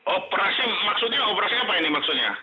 operasi maksudnya operasinya apa ini maksudnya